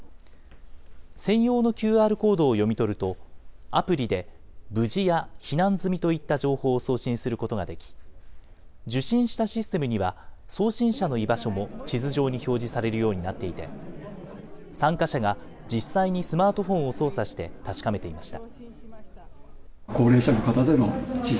専用のＱＲコードを読み取ると、アプリで無事や避難済みといった情報を送信することができ、受信したシステムには、送信者の居場所も地図上に表示されるようになっていて、参加者が実際にスマートフォンを操作して確かめていました。